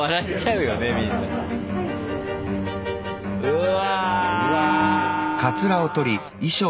うわ。